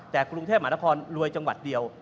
แต่กรุงเทพมหานครรวยจังหวัดเดียว